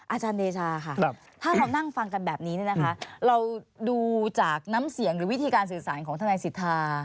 อาจารย์เดชาค่ะถ้าเรานั่งฟังกันแบบนี้เนี่ยนะคะเราดูจากน้ำเสียงหรือวิธีการสื่อสารของทนายสิทธา